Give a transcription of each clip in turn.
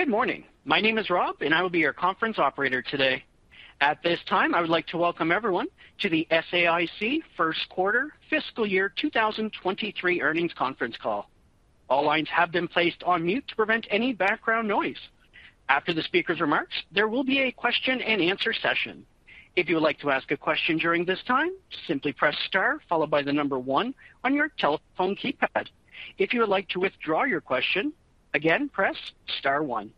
Good morning. My name is Rob, and I will be your conference operator today. At this time, I would like to welcome everyone to the SAIC first quarter fiscal year 2023 earnings conference call. All lines have been placed on mute to prevent any background noise. After the speaker's remarks, there will be a question-and-answer session. If you would like to ask a question during this time, simply press star followed by the number one on your telephone keypad. If you would like to withdraw your question, again, press star one.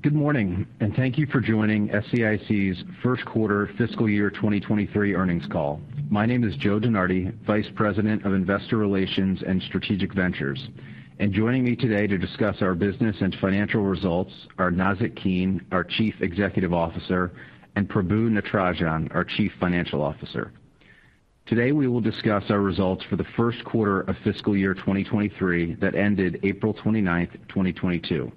Good morning and thank you for joining SAIC's first quarter fiscal year 2023 earnings call. My name is Joe DeNardi, Vice President of Investor Relations and Strategic Ventures. Joining me today to discuss our business and financial results are Nazzic Keene, our Chief Executive Officer, and Prabu Natarajan, our Chief Financial Officer. Today, we will discuss our results for the first quarter of fiscal year 2023 that ended April 29, 2022.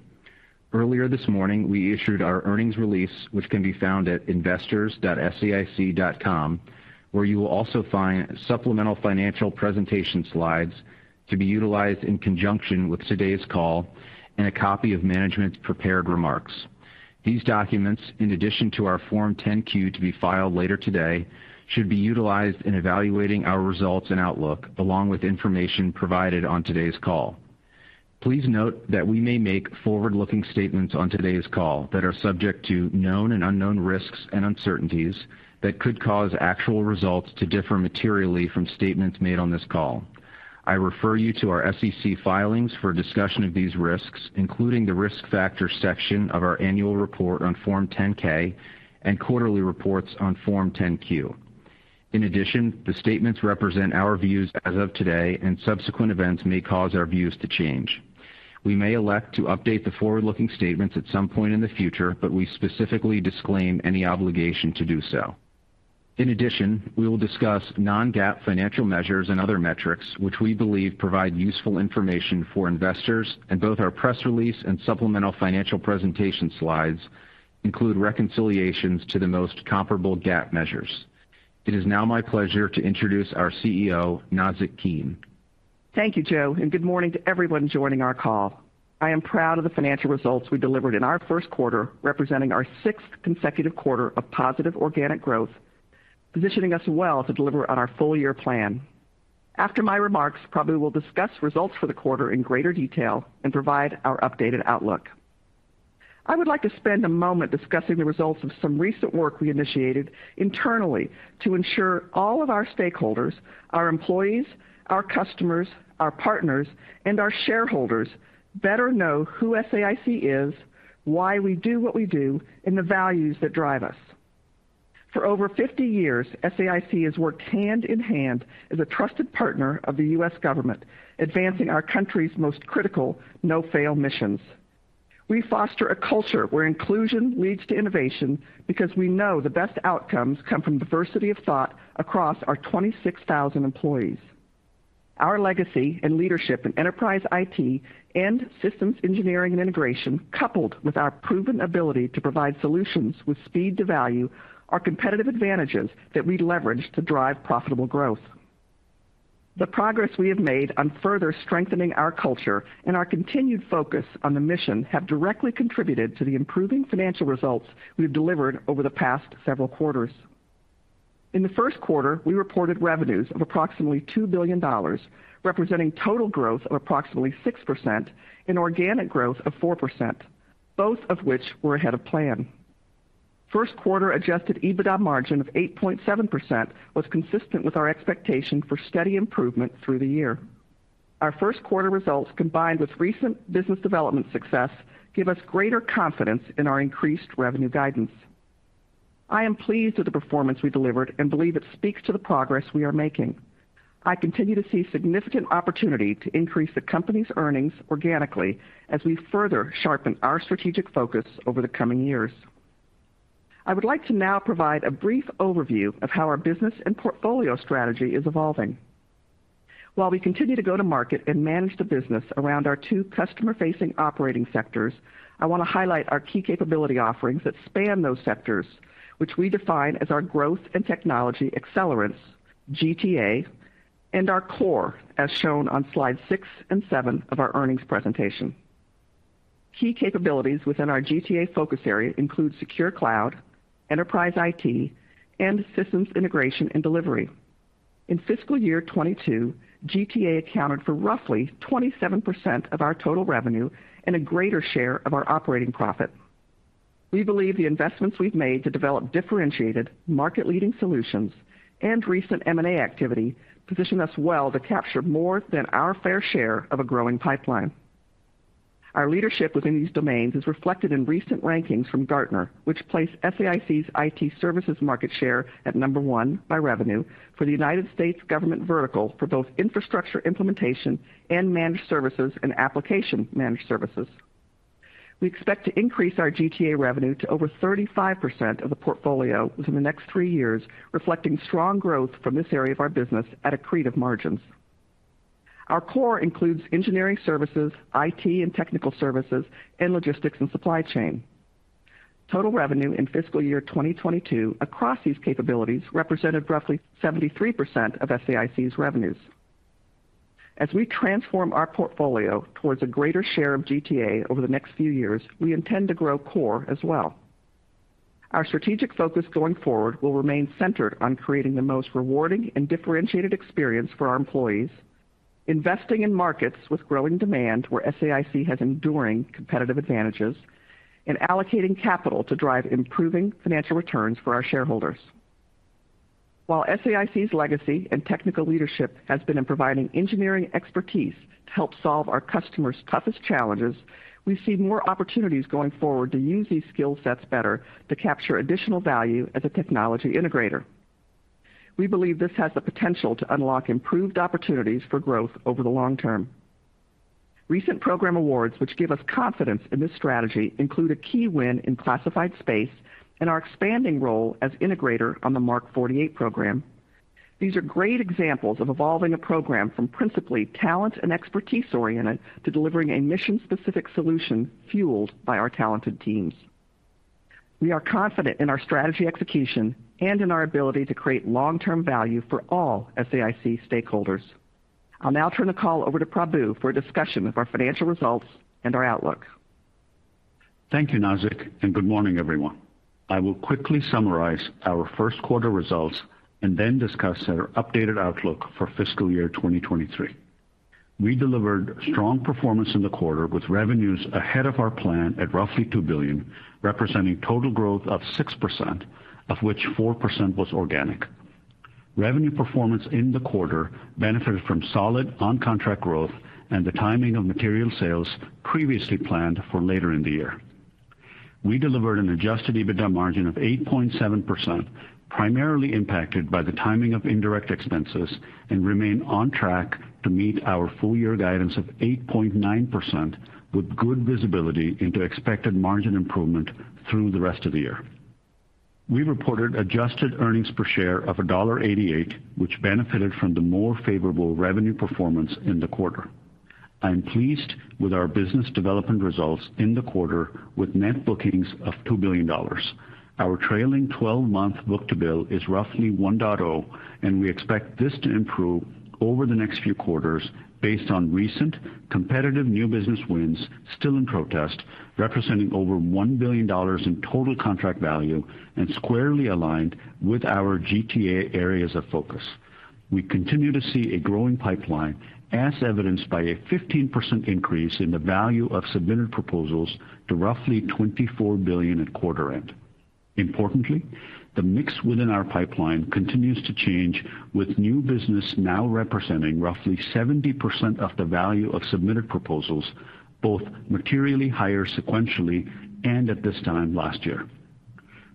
Earlier this morning, we issued our earnings release, which can be found at investors.saic.com, where you will also find supplemental financial presentation slides to be utilized in conjunction with today's call and a copy of management's prepared remarks. These documents, in addition to our Form 10-Q to be filed later today, should be utilized in evaluating our results and outlook, along with information provided on today's call. Please note that we may make forward-looking statements on today's call that are subject to known and unknown risks and uncertainties that could cause actual results to differ materially from statements made on this call. I refer you to our SEC filings for a discussion of these risks, including the Risk Factors section of our annual report on Form 10-K and quarterly reports on Form 10-Q. In addition, the statements represent our views as of today, and subsequent events may cause our views to change. We may elect to update the forward-looking statements at some point in the future, but we specifically disclaim any obligation to do so. In addition, we will discuss non-GAAP financial measures and other metrics which we believe provide useful information for investors, and both our press release and supplemental financial presentation slides include reconciliations to the most comparable GAAP measures. It is now my pleasure to introduce our CEO, Nazzic Keene. Thank you, Joe, and good morning to everyone joining our call. I am proud of the financial results we delivered in our first quarter, representing our sixth consecutive quarter of positive organic growth, positioning us well to deliver on our full-year plan. After my remarks, Prabu will discuss results for the quarter in greater detail and provide our updated outlook. I would like to spend a moment discussing the results of some recent work we initiated internally to ensure all of our stakeholders, our employees, our customers, our partners, and our shareholders better know who SAIC is, why we do what we do, and the values that drive us. For over 50 years, SAIC has worked hand in hand as a trusted partner of the U.S. government, advancing our country's most critical no-fail missions. We foster a culture where inclusion leads to innovation because we know the best outcomes come from diversity of thought across our 26,000 employees. Our legacy and leadership in enterprise IT and systems engineering and integration, coupled with our proven ability to provide solutions with speed to value, are competitive advantages that we leverage to drive profitable growth. The progress we have made on further strengthening our culture and our continued focus on the mission have directly contributed to the improving financial results we've delivered over the past several quarters. In the first quarter, we reported revenues of approximately $2 billion, representing total growth of approximately 6% and organic growth of 4%, both of which were ahead of plan. First quarter adjusted EBITDA margin of 8.7% was consistent with our expectation for steady improvement through the year. Our first quarter results, combined with recent business development success, give us greater confidence in our increased revenue guidance. I am pleased with the performance we delivered and believe it speaks to the progress we are making. I continue to see significant opportunity to increase the company's earnings organically as we further sharpen our strategic focus over the coming years. I would like to now provide a brief overview of how our business and portfolio strategy is evolving. While we continue to go to market and manage the business around our two customer-facing operating sectors, I want to highlight our key capability offerings that span those sectors, which we define as our Growth and Technology Accelerants, GTA, and our core, as shown on slide six and seven of our earnings presentation. Key capabilities within our GTA focus area include Secure Cloud, Enterprise IT, and Systems Integration and Delivery. In fiscal year 2022, GTA accounted for roughly 27% of our total revenue and a greater share of our operating profit. We believe the investments we've made to develop differentiated, market-leading solutions and recent M&A activity position us well to capture more than our fair share of a growing pipeline. Our leadership within these domains is reflected in recent rankings from Gartner, which place SAIC's IT services market share at number one by revenue for the United States government vertical for both infrastructure implementation and managed services and application managed services. We expect to increase our GTA revenue to over 35% of the portfolio within the next three years, reflecting strong growth from this area of our business at accretive margins. Our core includes engineering services, IT and technical services, and logistics and supply chain. Total revenue in fiscal year 2022 across these capabilities represented roughly 73% of SAIC's revenues. As we transform our portfolio towards a greater share of GTA over the next few years, we intend to grow core as well. Our strategic focus going forward will remain centered on creating the most rewarding and differentiated experience for our employees, investing in markets with growing demand where SAIC has enduring competitive advantages, and allocating capital to drive improving financial returns for our shareholders. While SAIC's legacy and technical leadership has been in providing engineering expertise to help solve our customers' toughest challenges, we see more opportunities going forward to use these skill sets better to capture additional value as a technology integrator. We believe this has the potential to unlock improved opportunities for growth over the long term. Recent program awards which give us confidence in this strategy include a key win in classified space and our expanding role as integrator on the Mark 48 program. These are great examples of evolving a program from principally talent and expertise-oriented to delivering a mission-specific solution fueled by our talented teams. We are confident in our strategy execution and in our ability to create long-term value for all SAIC stakeholders. I'll now turn the call over to Prabu for a discussion of our financial results and our outlook. Thank you, Nazzic, and good morning, everyone. I will quickly summarize our first quarter results and then discuss our updated outlook for fiscal year 2023. We delivered strong performance in the quarter with revenues ahead of our plan at roughly $2 billion, representing total growth of 6%, of which 4% was organic. Revenue performance in the quarter benefited from solid on-contract growth and the timing of material sales previously planned for later in the year. We delivered an adjusted EBITDA margin of 8.7%, primarily impacted by the timing of indirect expenses, and remain on track to meet our full year guidance of 8.9% with good visibility into expected margin improvement through the rest of the year. We reported adjusted earnings per share of $0.88, which benefited from the more favorable revenue performance in the quarter. I'm pleased with our business development results in the quarter with net bookings of $2 billion. Our trailing 12-month book-to-bill is roughly 1.0, and we expect this to improve over the next few quarters based on recent competitive new business wins still in protest, representing over $1 billion in total contract value and squarely aligned with our GTA areas of focus. We continue to see a growing pipeline as evidenced by a 15% increase in the value of submitted proposals to roughly $24 billion at quarter end. Importantly, the mix within our pipeline continues to change, with new business now representing roughly 70% of the value of submitted proposals, both materially higher sequentially and at this time last year.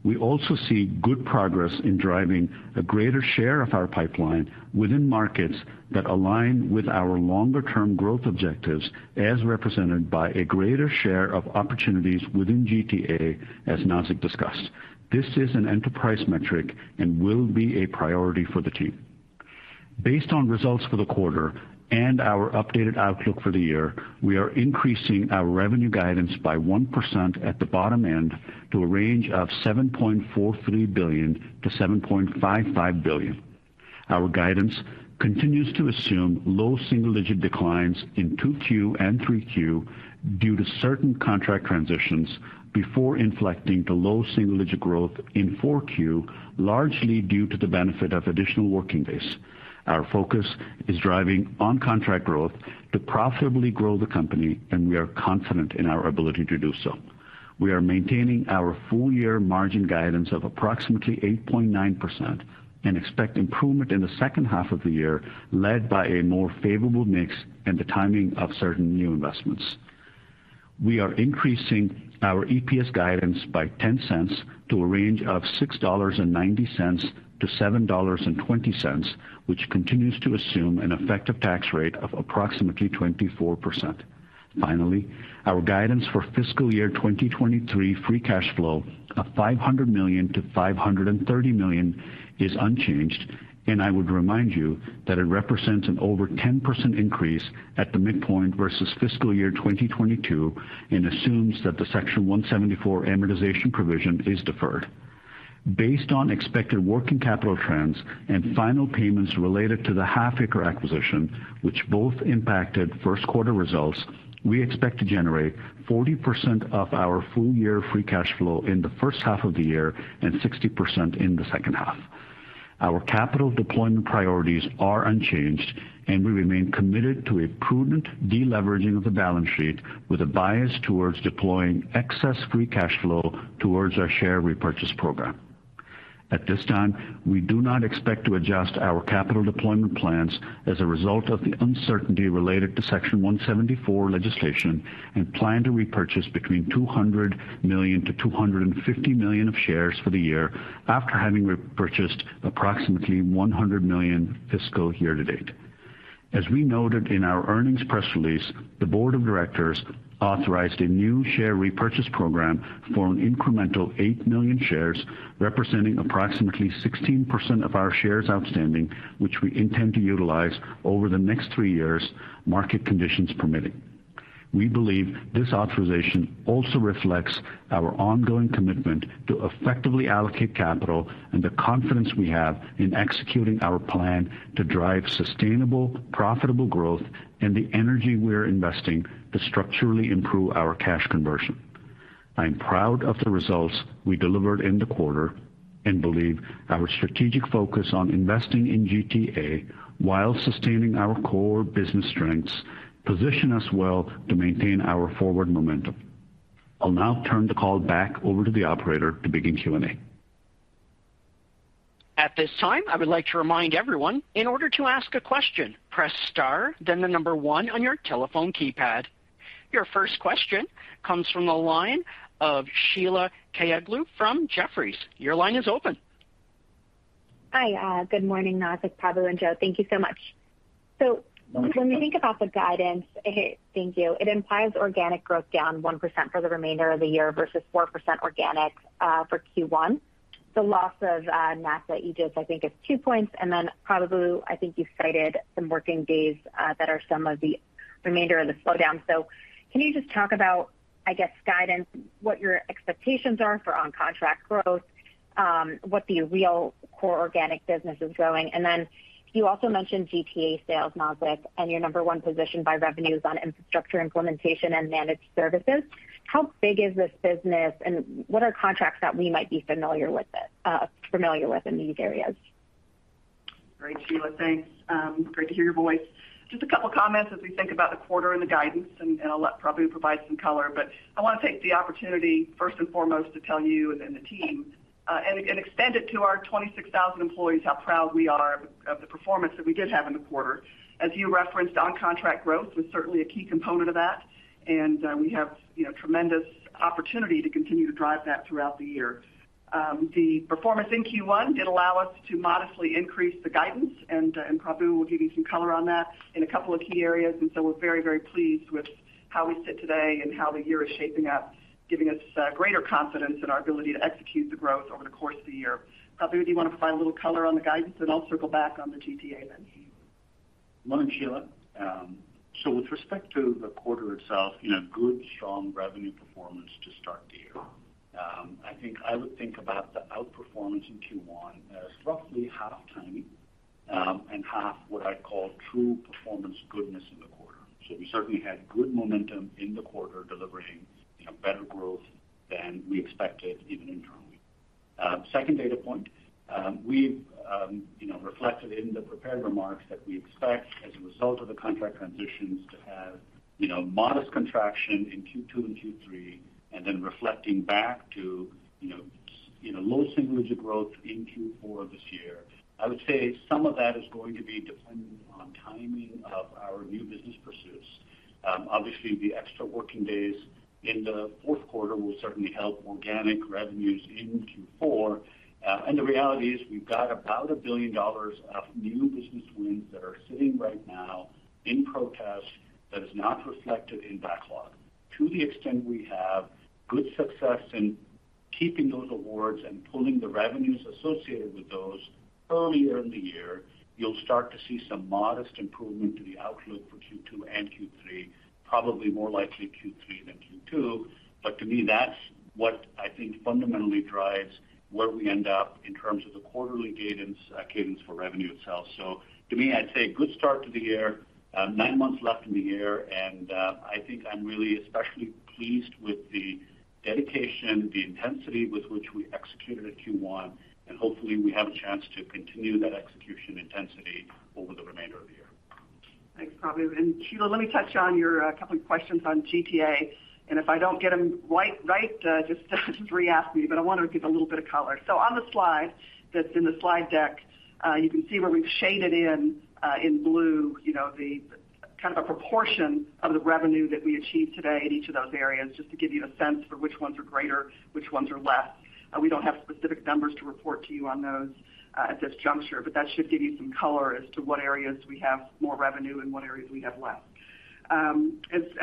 We also see good progress in driving a greater share of our pipeline within markets that align with our longer-term growth objectives as represented by a greater share of opportunities within GTA as Nazzic discussed. This is an enterprise metric and will be a priority for the team. Based on results for the quarter and our updated outlook for the year, we are increasing our revenue guidance by 1% at the bottom end to a range of $7.43 billion-$7.55 billion. Our guidance continues to assume low single-digit declines in 2Q and 3Q due to certain contract transitions before inflecting to low single-digit growth in 4Q, largely due to the benefit of additional working days. Our focus is driving on-contract growth to profitably grow the company, and we are confident in our ability to do so. We are maintaining our full year margin guidance of approximately 8.9% and expect improvement in the second half of the year, led by a more favorable mix and the timing of certain new investments. We are increasing our EPS guidance by $0.10 to a range of $6.90-$7.20, which continues to assume an effective tax rate of approximately 24%. Finally, our guidance for fiscal year 2023 free cash flow of $500 million-$530 million is unchanged, and I would remind you that it represents an over 10% increase at the midpoint versus fiscal year 2022 and assumes that the Section 174 amortization provision is deferred. Based on expected working capital trends and final payments related to the Halfaker acquisition, which both impacted first quarter results, we expect to generate 40% of our full year free cash flow in the first half of the year and 60% in the second half. Our capital deployment priorities are unchanged, and we remain committed to a prudent de-leveraging of the balance sheet with a bias towards deploying excess free cash flow towards our share repurchase program. At this time, we do not expect to adjust our capital deployment plans as a result of the uncertainty related to Section 174 legislation and plan to repurchase between $200 million-$250 million of shares for the year after having repurchased approximately $100 million fiscal year to date. As we noted in our earnings press release, the board of directors authorized a new share repurchase program for an incremental eight million shares, representing approximately 16% of our shares outstanding, which we intend to utilize over the next three years, market conditions permitting. We believe this authorization also reflects our ongoing commitment to effectively allocate capital and the confidence we have in executing our plan to drive sustainable, profitable growth and the energy we're investing to structurally improve our cash conversion. I'm proud of the results we delivered in the quarter and believe our strategic focus on investing in GTA while sustaining our core business strengths position us well to maintain our forward momentum. I'll now turn the call back over to the operator to begin Q&A. At this time, I would like to remind everyone, in order to ask a question, press star then the number one on your telephone keypad. Your first question comes from the line of Sheila Kahyaoglu from Jefferies. Your line is open. Hi, good morning, Nazzic, Prabu and Joe. Thank you so much. When we think about the guidance- Good morning. Thank you. It implies organic growth down 1% for the remainder of the year versus 4% organic for Q1. The loss of NASA AEGIS, I think, is two points. Prabu, I think you cited some working days that are some of the remainders of the slowdown. Can you just talk about, I guess, guidance, what your expectations are for on-contract growth, what the real core organic business is growing? You also mentioned GTA sales, Nazzic, and your number one position by revenues on Infrastructure Implementation and Managed services. How big is this business, and what are contracts that we might be familiar with in these areas? Great, Sheila. Thanks. Great to hear your voice. Just a couple of comments as we think about the quarter and the guidance, and I'll let Prabu provide some color. I want to take the opportunity, first and foremost, to tell you and the team, and extend it to our 26,000 employees, how proud we are of the performance that we did have in the quarter. As you referenced, on-contract growth was certainly a key component of that, and we have, you know, tremendous opportunity to continue to drive that throughout the year. The performance in Q1 did allow us to modestly increase the guidance, and Prabu will give you some color on that in a couple of key areas. We're very, very pleased with how we sit today and how the year is shaping up, giving us greater confidence in our ability to execute the growth over the course of the year. Prabu, do you want to provide a little color on the guidance? I'll circle back on the GTA then. Morning, Sheila. With respect to the quarter itself, you know, good, strong revenue performance to start the year. I think I would think about the outperformance in Q1 as roughly half timing, and half what I'd call true performance goodness in the quarter. We certainly had good momentum in the quarter, delivering, you know, better growth than we expected even internally. Second data point, we've, you know, reflected in the prepared remarks that we expect as a result of the contract transitions to have, you know, modest contraction in Q2 and Q3, and then reflecting back to, you know, low single-digit growth in Q4 this year. I would say some of that is going to be dependent on timing of our new business pursuits. Obviously, the extra working days in the fourth quarter will certainly help organic revenues in Q4. The reality is we've got about $1 billion of new business wins that are sitting right now in protest that is not reflected in backlog. To the extent we have good success in keeping those awards and pulling the revenues associated with those earlier in the year, you'll start to see some modest improvement to the outlook for Q2 and Q3, probably more likely Q3 than Q2. To me, that's what I think fundamentally drives where we end up in terms of the quarterly cadence for revenue itself. To me, I'd say good start to the year, nine months left in the year, and I think I'm really especially pleased with the dedication, the intensity with which we executed at Q1, and hopefully we have a chance to continue that execution intensity over the remainder of the year. Thanks, Prabu. Sheila, let me touch on your couple of questions on GTA, and if I don't get them quite right, just re-ask me, but I want to give a little bit of color. On the slide that's in the slide deck, you can see where we've shaded in in blue, you know, the kind of a proportion of the revenue that we achieve today in each of those areas, just to give you a sense for which ones are greater, which ones are less. We don't have specific numbers to report to you on those at this juncture, but that should give you some color as to what areas we have more revenue and what areas we have less. As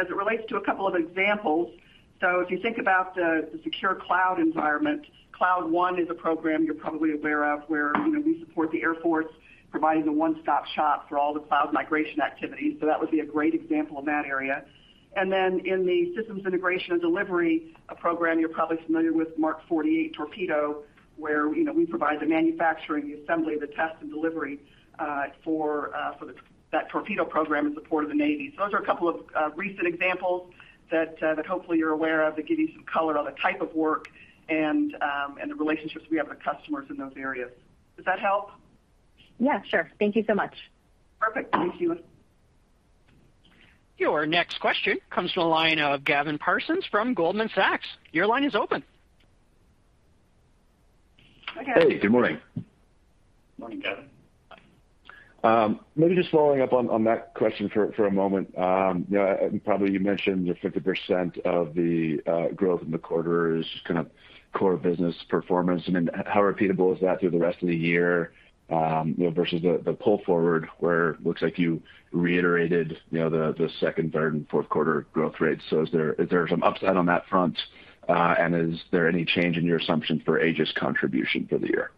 it relates to a couple of examples, if you think about the secure cloud environment, Cloud One is a program you're probably aware of where, you know, we support the Air Force, providing a one-stop shop for all the cloud migration activities. That would be a great example in that area. In the Systems Integration and Delivery program, you're probably familiar with Mark 48 torpedo, where, you know, we provide the manufacturing, the assembly, the test and delivery for that torpedo program in support of the Navy. Those are a couple of recent examples that hopefully you're aware of that give you some color on the type of work and the relationships we have with customers in those areas. Does that help? Yeah, sure. Thank you so much. Perfect. Thank you. Your next question comes from the line of Gavin Parsons from Goldman Sachs. Your line is open. Hey, good morning. Morning, Gavin. Maybe just following up on that question for a moment. You know, you probably mentioned the 50% of the growth in the quarter is kind of core business performance. How repeatable is that through the rest of the year, you know, versus the pull forward, where it looks like you reiterated, you know, the second, third, and fourth quarter growth rates. Is there some upside on that front? And is there any change in your assumptions for AEGIS contribution for the year?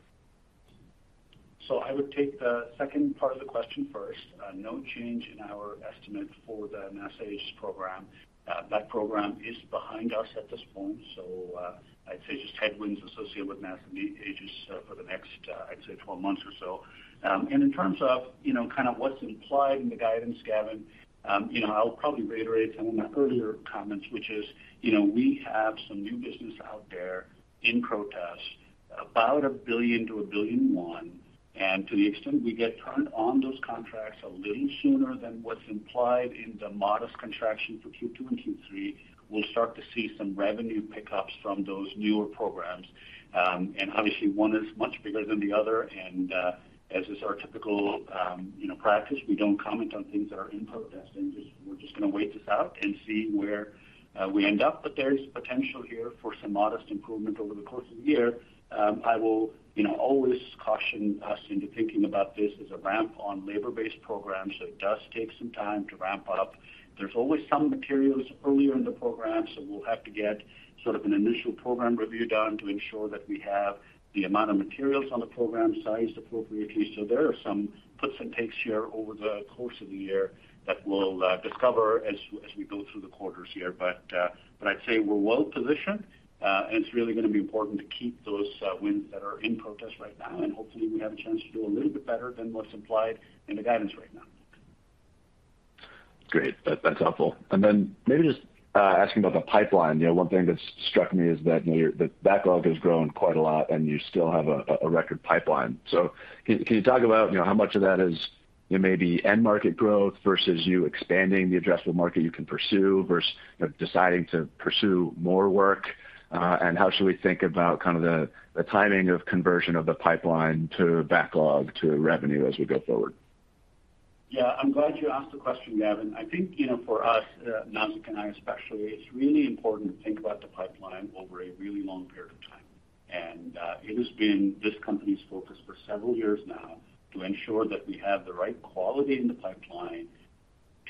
I would take the second part of the question first. No change in our estimate for the NASA AEGIS program. That program is behind us at this point. I'd say just headwinds associated with NASA AEGIS for the next 12 months or so. In terms of, you know, kind of what's implied in the guidance, Gavin, you know, I'll probably reiterate some of my earlier comments, which is, you know, we have some new business out there in protest about $1 billion-$1.1 billion. To the extent we get turned on those contracts a little sooner than what's implied in the modest contraction for Q2 and Q3, we'll start to see some revenue pickups from those newer programs. Obviously, one is much bigger than the other. As is our typical, you know, practice, we don't comment on things that are in protest. We're just going to wait this out and see where we end up. There is potential here for some modest improvement over the course of the year. I will, you know, always caution us into thinking about this as a ramp on labor-based programs. It does take some time to ramp up. There are always some materials earlier in the program, so we'll have to get sort of an initial program review done to ensure that we have the amount of materials on the program sized appropriately. There are some puts and takes here over the course of the year that we'll discover as we go through the quarters here. I'd say we're well positioned, and it's really going to be important to keep those wins that are in protest right now. Hopefully we have a chance to do a little bit better than what's implied in the guidance right now. Great. That's helpful. Maybe just asking about the pipeline. You know, one thing that's struck me is that, you know, your backlog has grown quite a lot, and you still have a record pipeline. Can you talk about, you know, how much of that is, you know, maybe end market growth versus you expanding the addressable market you can pursue versus, you know, deciding to pursue more work? And how should we think about kind of the timing of conversion of the pipeline to backlog to revenue as we go forward? Yeah, I'm glad you asked the question, Gavin. I think, you know, for us, Nazzic and I especially, it's really important to think about the pipeline over a really long period of time. It has been this company's focus for several years now to ensure that we have the right quality in the pipeline,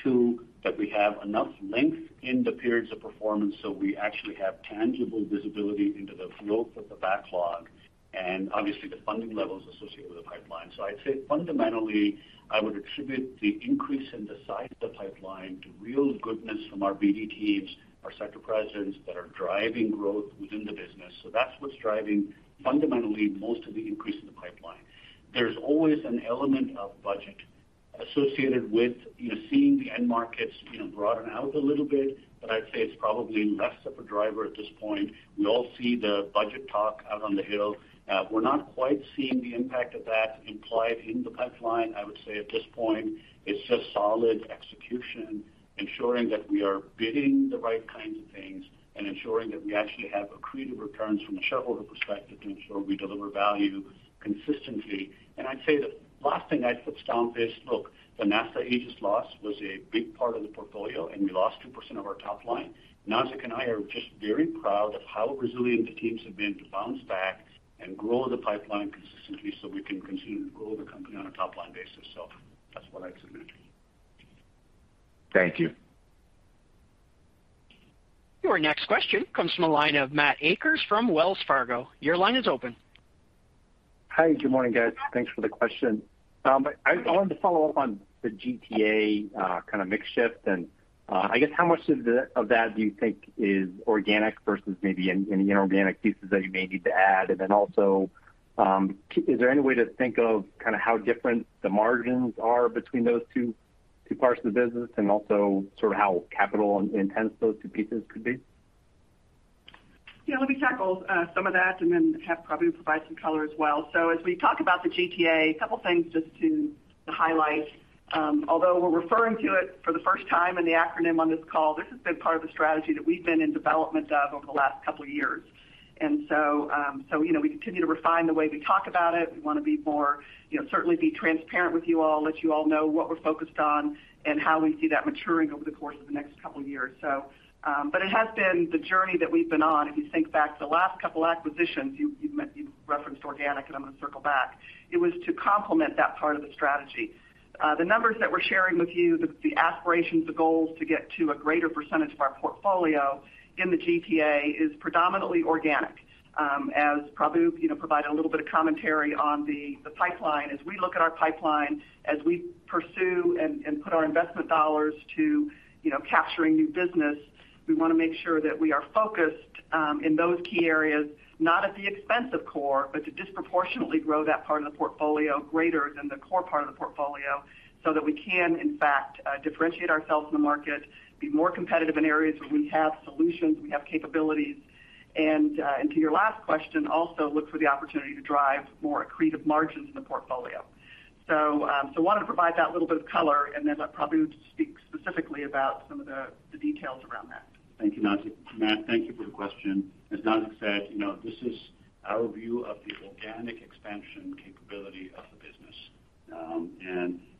too, that we have enough length in the periods of performance, so we actually have tangible visibility into the growth of the backlog and obviously the funding levels associated with the pipeline. I'd say fundamentally, I would attribute the increase in the size of the pipeline to real goodness from our BD teams, our sector presidents that are driving growth within the business. That's what's driving fundamentally most of the increase in the pipeline. There's always an element of budget associated with, you know, seeing the end markets, you know, broaden out a little bit. I'd say it's probably less of a driver at this point. We all see the budget talk out on the Hill. We're not quite seeing the impact of that implied in the pipeline. I would say at this point, it's just solid execution, ensuring that we are bidding the right kinds of things and ensuring that we actually have accretive returns from a shareholder perspective to ensure we deliver value consistently. I'd say the last thing I'd put down is, look, the NASA AEGIS loss was a big part of the portfolio, and we lost 2% of our top line. Nazzic and I are just very proud of how resilient the teams have been to bounce back and grow the pipeline consistently so we can continue to grow the company on a top-line basis. That's what I'd submit. Thank you. Your next question comes from the line of Matt Akers from Wells Fargo. Your line is open. Hi. Good morning, guys. Thanks for the question. I wanted to follow up on the GTA kind of mix shift. I guess how much of that do you think is organic versus maybe any inorganic pieces that you may need to add? Also, is there any way to think of kind of how different the margins are between those two parts of the business and also sort of how capital intensive those two pieces could be? Yeah, let me tackle some of that and then have Prabu provide some color as well. As we talk about the GTA, a couple of things just to highlight. Although we're referring to it for the first time in the acronym on this call, this has been part of the strategy that we've been in development of over the last couple of years. You know, we continue to refine the way we talk about it. We want to be more, you know, certainly be transparent with you all, let you all know what we're focused on and how we see that maturing over the course of the next couple of years. But it has been the journey that we've been on. If you think back to the last couple of acquisitions, you referenced organic, and I'm going to circle back. It was to complement that part of the strategy. The numbers that we're sharing with you, the aspirations, the goals to get to a greater percentage of our portfolio in the GTA is predominantly organic. As Prabu, you know, provided a little bit of commentary on the pipeline. As we look at our pipeline, as we pursue and put our investment dollars to, you know, capturing new business, we want to make sure that we are focused in those key areas, not at the expense of core, but to disproportionately grow that part of the portfolio greater than the core part of the portfolio so that we can in fact differentiate ourselves in the market, be more competitive in areas where we have solutions, we have capabilities. To your last question, also look for the opportunity to drive more accretive margins in the portfolio. So, I wanted to provide that little bit of color and then let Prabu to speak specifically about some of the details around that. Thank you, Nazzic. Matt, thank you for the question. As Nazzic said, you know, this is our view of the organic expansion capability of the business.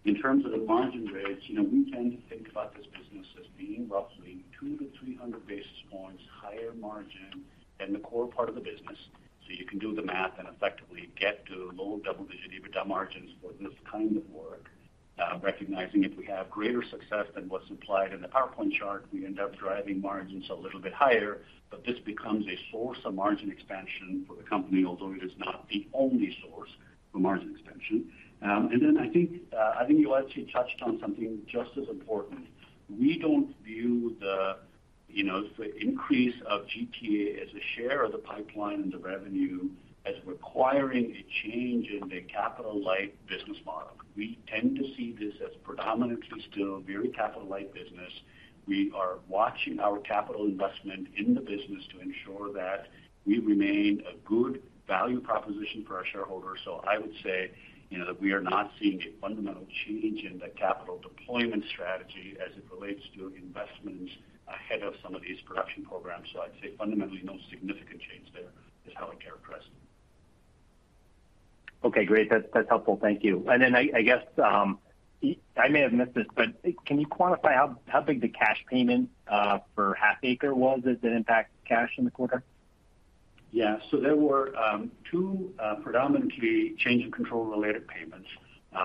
In terms of the margin rates, you know, we tend to think about this business as being roughly 200-300 basis points higher margin than the core part of the business. You can do the math and effectively get to low double-digit EBITDA margins for this kind of work. Recognizing if we have greater success than what's implied in the PowerPoint chart, we end up driving margins a little bit higher, but this becomes a source of margin expansion for the company, although it is not the only source for margin expansion. I think you actually touched on something just as important. We don't view the, you know, the increase of GTA as a share of the pipeline and the revenue as requiring a change in the capital-light business model. We tend to see this as predominantly still very capital-light business. We are watching our capital investment in the business to ensure that we remain a good value proposition for our shareholders. I would say, you know, that we are not seeing a fundamental change in the capital deployment strategy as it relates to investments ahead of some of these production programs. I'd say fundamentally, no significant change there is how I'd characterize it. Okay, great. That's helpful. Thank you. Then I guess I may have missed this, but can you quantify how big the cash payment for Halfaker was that did impact cash in the quarter? Yeah. There were two predominantly change in control-related payments.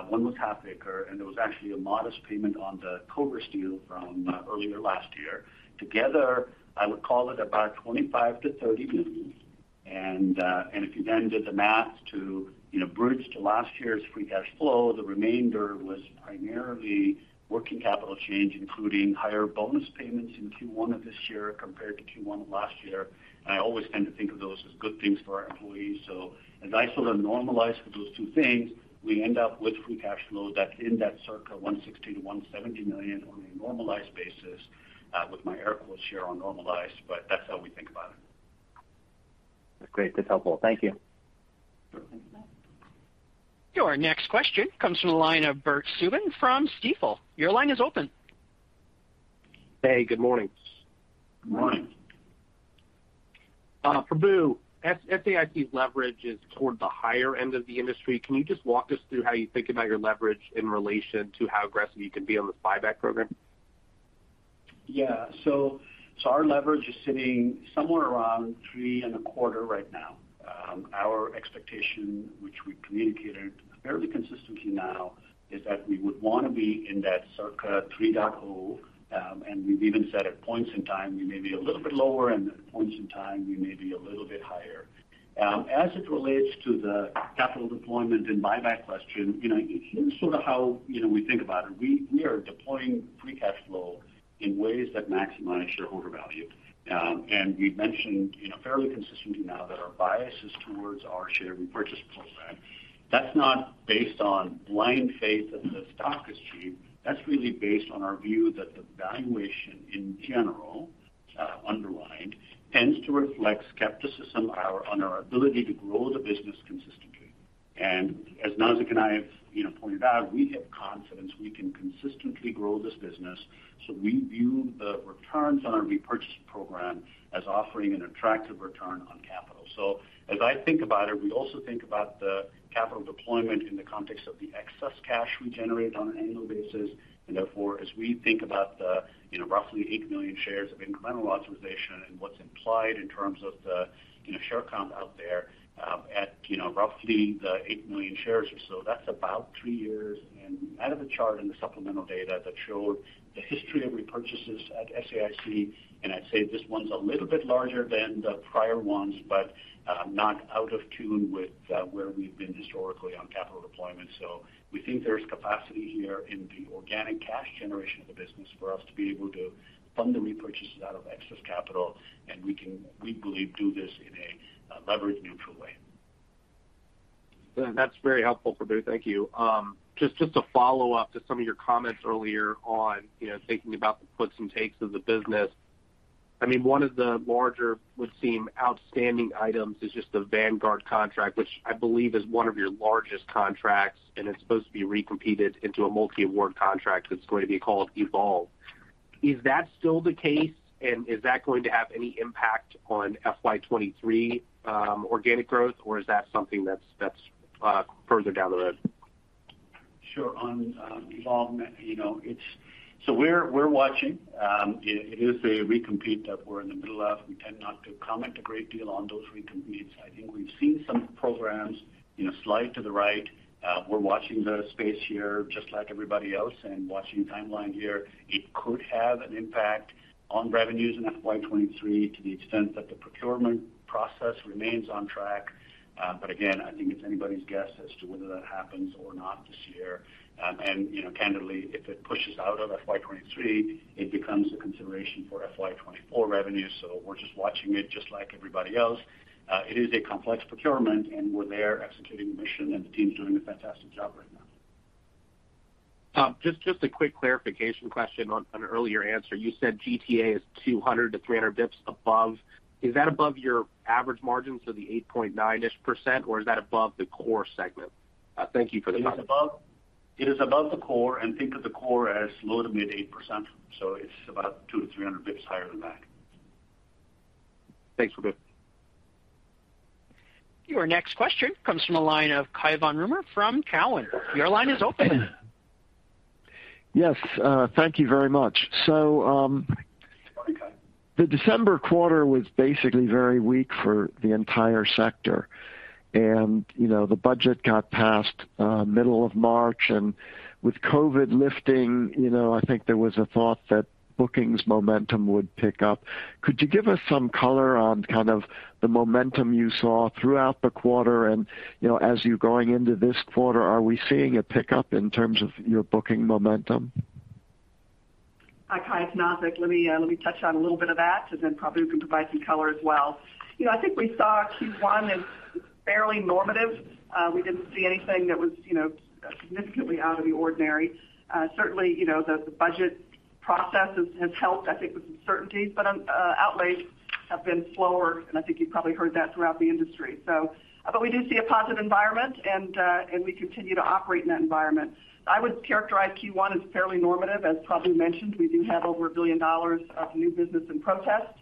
One was Halfaker, and there was actually a modest payment on the Koverse deal from earlier last year. Together, I would call it about $25 million-$30 million. If you then did the math to, you know, bridge to last year's free cash flow, the remainder was primarily working capital change, including higher bonus payments in Q1 of this year compared to Q1 of last year. I always tend to think of those as good things for our employees. As I sort of normalize for those two things, we end up with free cash flow that's in that circa $160 million-$170 million on a normalized basis, with my air quotes here on normalized, but that's how we think about it. That's great. That's helpful. Thank you. Your next question comes from the line of Bert Subin from Stifel. Your line is open. Hey, good morning. Good morning. Prabu, SAIC's leverage is toward the higher end of the industry. Can you just walk us through how you think about your leverage in relation to how aggressive you can be on the buyback program? Yeah. Our leverage is sitting somewhere around 3.25 right now. Our expectation, which we communicated fairly consistently now, is that we would want to be in that circa 3.0. We've even said at points in time, we may be a little bit lower, and at points in time, we may be a little bit higher. As it relates to the capital deployment and buyback question, you know, here's sort of how, you know, we think about it. We are deploying free cash flow in ways that maximize shareholder value. We've mentioned, you know, fairly consistently now that our bias is towards our share repurchase program. That's not based on blind faith that the stock is cheap. That's really based on our view that the valuation in general underlines tends to reflect skepticism on our ability to grow the business consistently. As Nazzic and I have, you know, pointed out, we have confidence we can consistently grow this business. We view the returns on our repurchase program as offering an attractive return on capital. As I think about it, we also think about the capital deployment in the context of the excess cash we generate on an annual basis. Therefore, as we think about the, you know, roughly eight million shares of incremental authorization and what's implied in terms of the, you know, share count out there, at, you know, roughly the eight million shares or so, that's about three years. I have a chart in the supplemental data that showed the history of repurchases at SAIC, and I'd say this one's a little bit larger than the prior ones, but not out of tune with where we've been historically on capital deployment. We think there's capacity here in the organic cash generation of the business for us to be able to fund the repurchases out of excess capital, and we can, we believe, do this in a leverage-neutral way. That's very helpful, Prabu. Thank you. Just to follow up to some of your comments earlier on, you know, thinking about the puts and takes of the business. I mean, one of the larger would seem outstanding items is just the Vanguard contract, which I believe is one of your largest contracts, and it's supposed to be recompeted into a multi-award contract that's going to be called Evolve. Is that still the case? And is that going to have any impact on FY 2023 organic growth, or is that something that's further down the road? Sure. On Evolve, you know, it's. We're watching. It is a recompete that we're in the middle of. We tend not to comment a great deal on those recompetes. I think we've seen some programs, you know, slide to the right. We're watching the space here just like everybody else and watching the timeline here. It could have an impact on revenues in FY 2023 to the extent that the procurement process remains on track. Again, I think it's anybody's guess as to whether that happens or not this year. You know, candidly, if it pushes out of FY 2023, it becomes a consideration for FY 2024 revenue. We're just watching it just like everybody else. It is a complex procurement, and we're there executing the mission, and the team's doing a fantastic job right now. Just a quick clarification question on an earlier answer. You said GTA is 200-300 basis points above. Is that above your average margin, so the 8.9%-ish, or is that above the core segment? Thank you for the comment. It is above the core, and think of the core as low to mid-8%. It's about 200-300 basis points higher than that. Thanks, Prabu. Your next question comes from a line of Cai von Rumohr from Cowen. Your line is open. Yes, thank you very much. The December quarter was basically very weak for the entire sector. You know, the budget got passed middle of March, and with COVID lifting, you know, I think there was a thought that bookings momentum would pick up. Could you give us some color on kind of the momentum you saw throughout the quarter and, you know, as you're going into this quarter, are we seeing a pickup in terms of your booking momentum? Hi, Cai. It's Nazzic. Let me touch on a little bit of that, and then Prabu can provide some color as well. You know, I think we saw Q1 as fairly normative. We didn't see anything that was, you know, significantly out of the ordinary. Certainly, you know, the budget process has helped, I think, with some certainty, but outlays have been slower, and I think you've probably heard that throughout the industry. We do see a positive environment, and we continue to operate in that environment. I would characterize Q1 as fairly normative. As probably mentioned, we do have over $1 billion of new business in protest.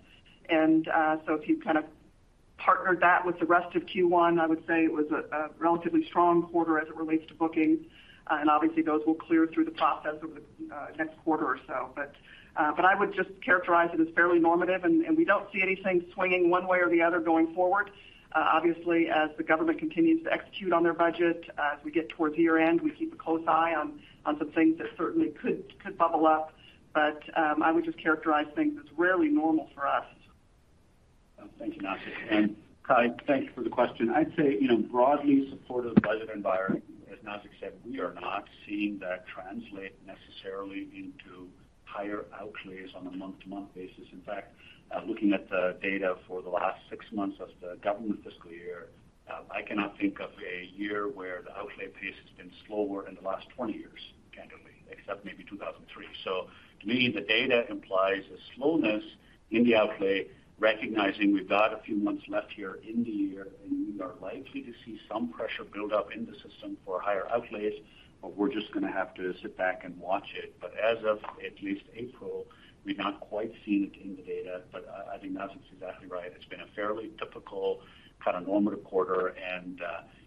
If you kind of partner that with the rest of Q1, I would say it was a relatively strong quarter as it relates to bookings. Obviously those will clear through the process over the next quarter or so. But I would just characterize it as fairly normative, and we don't see anything swinging one way or the other going forward. Obviously, as the government continues to execute on their budget, as we get towards year-end, we keep a close eye on some things that certainly could bubble up. But I would just characterize things as rarely normal for us. Thank you, Nazzic. Cai, thank you for the question. I'd say, you know, broadly supportive budget environment. As Nazzic said, we are not seeing that translate necessarily into higher outlays on a month-to-month basis. In fact, looking at the data for the last six months of the government fiscal year, I cannot think of a year where the outlay pace has been slower in the last 20 years, candidly, except maybe 2003. To me, the data implies a slowness in the outlay, recognizing we've got a few months left here in the year, and we are likely to see some pressure build up in the system for higher outlays, but we're just going to have to sit back and watch it. As of at least April, we've not quite seen it in the data. I think Nazzic's exactly right. It's been a fairly typical kind of normal quarter.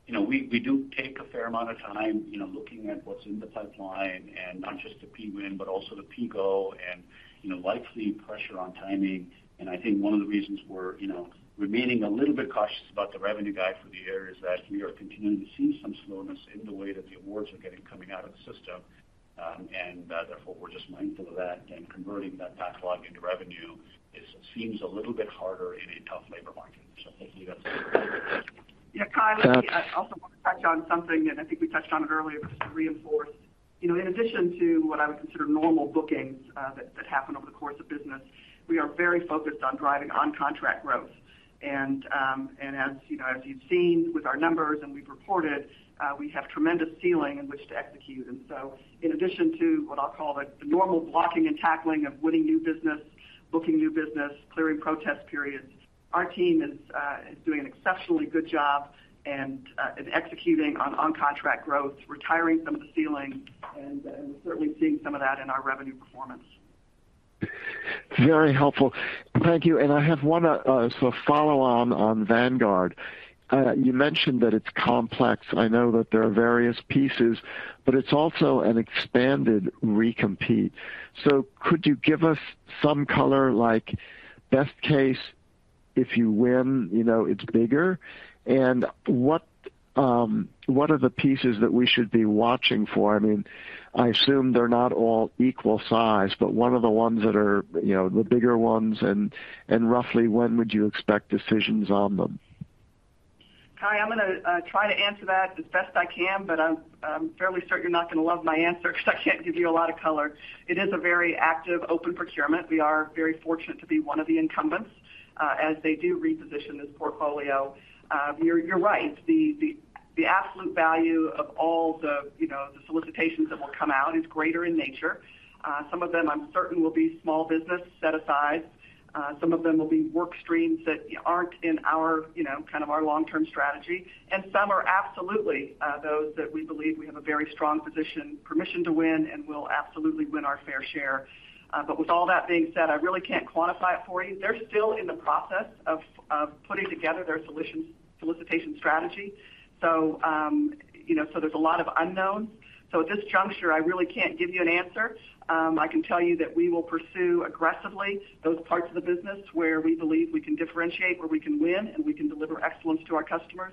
You know, we do take a fair amount of time, you know, looking at what's in the pipeline, and not just the PWin, but also the PGo and, you know, likely pressure on timing. I think one of the reasons we're, you know, remaining a little bit cautious about the revenue guide for the year is that we are continuing to see some slowness in the way that the awards are coming out of the system. Therefore, we're just mindful of that and converting that backlog into revenue seems a little bit harder in a tough labor market. Yeah, Cai. I also want to touch on something, and I think we touched on it earlier, but just to reinforce. You know, in addition to what I would consider normal bookings, that happen over the course of business, we are very focused on driving on-contract growth. As you know, as you've seen with our numbers and we've reported, we have tremendous ceiling in which to execute. In addition to what I'll call the normal blocking and tackling of winning new business, booking new business, clearing protest periods, our team is doing an exceptionally good job and in executing on-contract growth, retiring some of the ceiling, and certainly seeing some of that in our revenue performance. Very helpful. Thank you. I have one, sort of follow on Vanguard. You mentioned that it's complex. I know that there are various pieces, but it's also an expanded recompete. Could you give us some color, like best case, if you win, you know it's bigger? And what are the pieces that we should be watching for? I mean, I assume they're not all equal size, but what are the ones that are, you know, the bigger ones and roughly when would you expect decisions on them? Cai, I'm going to try to answer that as best I can, but I'm fairly certain you're not going to love my answer because I can't give you a lot of color. It is a very active open procurement. We are very fortunate to be one of the incumbents, as they do reposition this portfolio. You're right. The absolute value of all the, you know, the solicitations that will come out is greater in nature. Some of them I'm certain will be small business set aside. Some of them will be work streams that aren't in our, you know, kind of our long-term strategy. Some are absolutely those that we believe we have a very strong position to win and will absolutely win our fair share. With all that being said, I really can't quantify it for you. They're still in the process of putting together their solutions solicitation strategy. You know, there's a lot of unknowns. At this juncture, I really can't give you an answer. I can tell you that we will pursue aggressively those parts of the business where we believe we can differentiate, where we can win, and we can deliver excellence to our customers.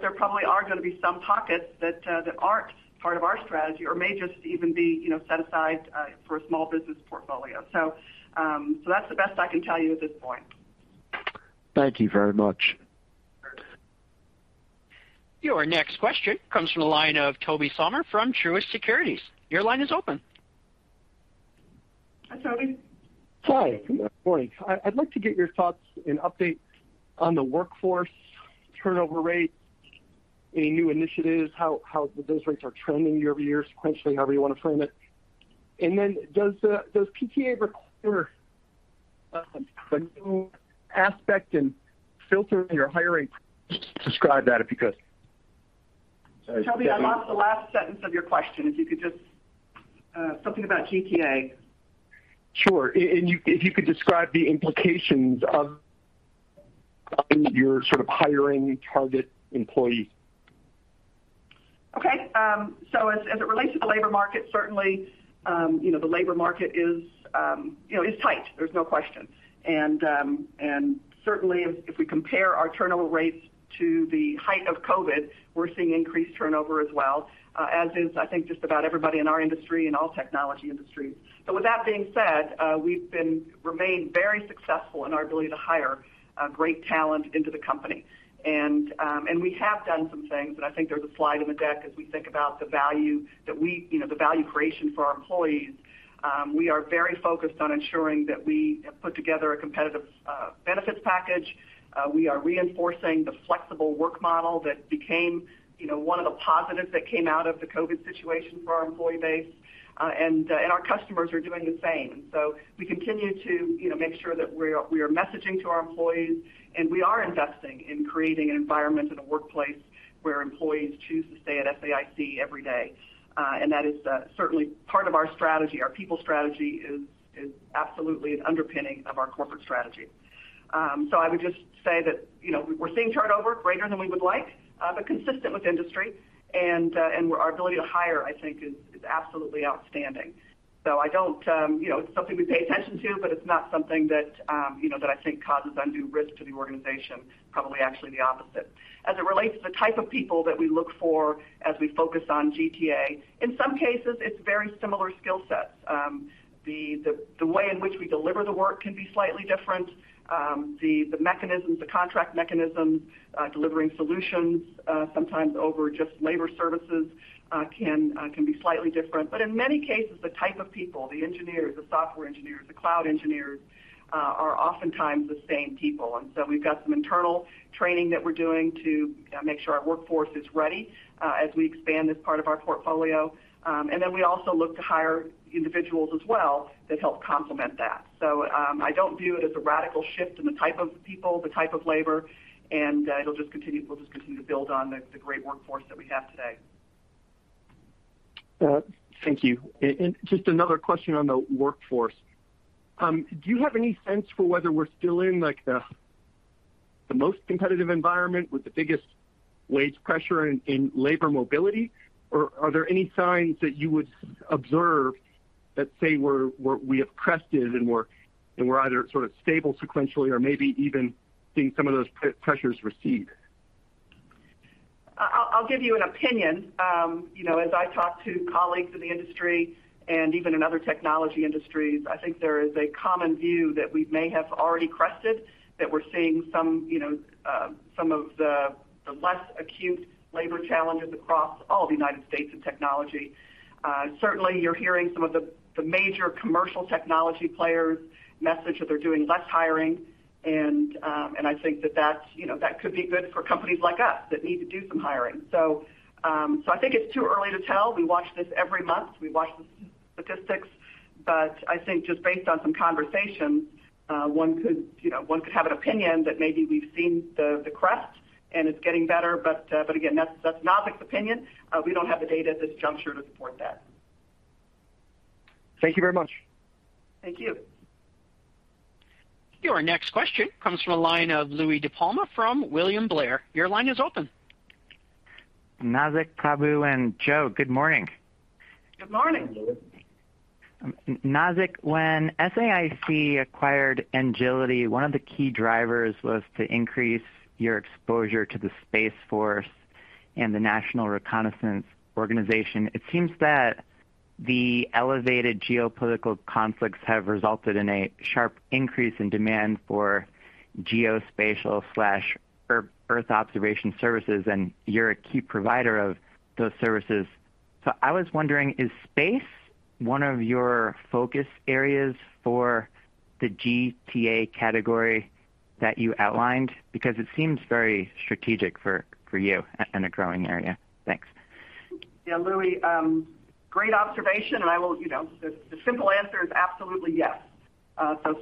There probably are going to be some pockets that aren't part of our strategy or may just even be, you know, set aside for a small business portfolio. That's the best I can tell you at this point. Thank you very much. Your next question comes from the line of Tobey Sommer from Truist Securities. Your line is open. Hi, Toby. Hi. Good morning. I'd like to get your thoughts and update on the workforce turnover rates, any new initiatives, how those rates are trending year over year, sequentially, however you want to frame it. Does the GTA require a new aspect in filtering your hiring? Describe that if you could. Toby, I lost the last sentence of your question. If you could just, something about GTA. Sure. If you could describe the implications of your sort of hiring target employee? As it relates to the labor market, certainly, you know, the labor market is tight, there's no question. Certainly if we compare our turnover rates to the height of COVID, we're seeing increased turnover as well, as is, I think, just about everybody in our industry and all technology industries. With that being said, we've remained very successful in our ability to hire great talent into the company. We have done some things, and I think there's a slide in the deck as we think about the value, you know, the value creation for our employees. We are very focused on ensuring that we have put together a competitive benefits package. We are reinforcing the flexible work model that became, you know, one of the positives that came out of the COVID situation for our employee base. Our customers are doing the same. We continue to, you know, make sure that we are messaging to our employees, and we are investing in creating an environment and a workplace where employees choose to stay at SAIC every day. That is certainly part of our strategy. Our people strategy is absolutely an underpinning of our corporate strategy. I would just say that, you know, we're seeing turnover greater than we would like, but consistent with industry, and our ability to hire, I think is absolutely outstanding. I don't, you know, it's something we pay attention to, but it's not something that, you know, that I think causes undue risk to the organization, probably actually the opposite. As it relates to the type of people that we look for as we focus on GTA, in some cases it's very similar skill sets. The way in which we deliver the work can be slightly different. The mechanisms, the contract mechanisms, delivering solutions, sometimes over just: Labor services, can be slightly different. In many cases, the type of people, the engineers, the software engineers, the cloud engineers, are oftentimes the same people. We've got some internal training that we're doing to make sure our workforce is ready as we expand this part of our portfolio. We also look to hire individuals as well that help complement that. I don't view it as a radical shift in the type of people, the type of labor, and we'll just continue to build on the great workforce that we have today. Thank you. Just another question on the workforce. Do you have any sense for whether we're still in like the most competitive environment with the biggest wage pressure in labor mobility? Or are there any signs that you would observe that say we have crested and we're either sort of stable sequentially or maybe even seeing some of those pressures recede? I'll give you an opinion. You know, as I talk to colleagues in the industry and even in other technology industries, I think there is a common view that we may have already crested, that we're seeing some, you know, some of the less acute labor challenges across all the United States in technology. Certainly, you're hearing some of the major commercial technology players message that they're doing less hiring, and I think that that, you know, could be good for companies like us that need to do some hiring. I think it's too early to tell. We watch this every month. We watch the statistics. I think just based on some conversations, one could, you know, have an opinion that maybe we've seen the crest and it's getting better. Again, that's Nazzic's opinion. We don't have the data at this juncture to support that. Thank you very much. Thank you. Your next question comes from the line of Louie DiPalma from William Blair. Your line is open. Nazzic, Prabu, and Joe, good morning. Good morning. Hello. Nazzic, when SAIC acquired Engility, one of the key drivers was to increase your exposure to the Space Force and the National Reconnaissance Office. It seems that the elevated geopolitical conflicts have resulted in a sharp increase in demand for geospatial/near-Earth observation services, and you're a key provider of those services. I was wondering, is space one of your focus areas for the GTA category that you outlined? Because it seems very strategic for you and a growing area. Thanks. Yeah, Louie, great observation. You know, the simple answer is absolutely yes.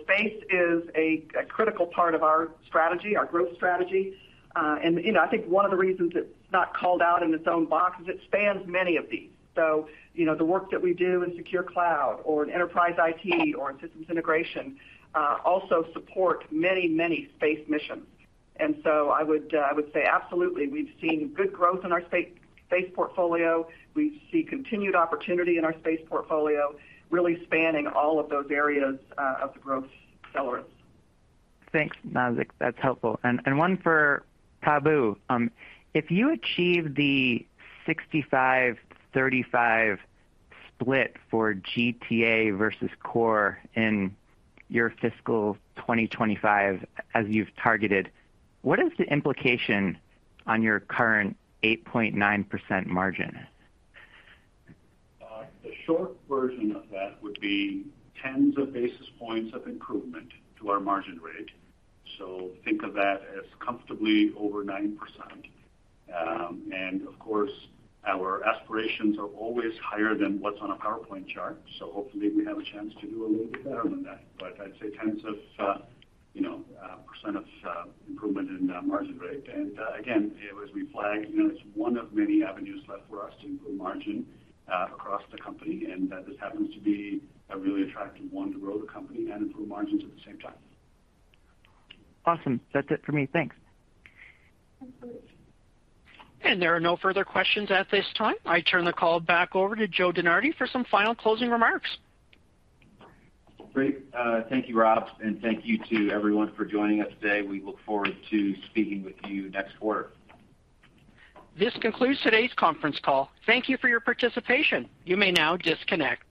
Space is a critical part of our strategy, our growth strategy. You know, I think one of the reasons it's not called out in its own box is it spans many of these. You know, the work that we do in secure cloud or in enterprise IT or in systems integration also support many space missions. I would say absolutely, we've seen good growth in our space portfolio. We see continued opportunity in our space portfolio, really spanning all of those areas of the growth accelerators. Thanks, Nazzic. That's helpful. One for Prabu. If you achieve the 65-35 split for GTA versus core in your fiscal 2025 as you've targeted, what is the implication on your current 8.9% margin? The short version of that would be tens of basis points of improvement to our margin rate. Think of that as comfortably over 9%. Of course our aspirations are always higher than what's on a PowerPoint chart, so hopefully we have a chance to do a little bit better than that. I'd say tens of, you know, percent of improvement in margin rate. Again, as we flagged, you know, it's one of many avenues left for us to improve margin across the company, and this happens to be a really attractive one to grow the company and improve margins at the same time. Awesome. That's it for me. Thanks. There are no further questions at this time. I turn the call back over to Joe DeNardi for some final closing remarks. Great. Thank you, Rob, and thank you to everyone for joining us today. We look forward to speaking with you next quarter. This concludes today's conference call. Thank you for your participation. You may now disconnect.